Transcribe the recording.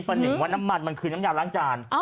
หนึ่งว่าน้ำมันมันคือน้ำยาล้างจาน